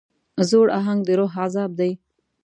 زوړ اهنګ د روح عذاب دی.